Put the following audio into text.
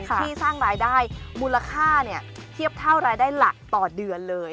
ที่สร้างรายได้มูลค่าเทียบเท่ารายได้หลักต่อเดือนเลย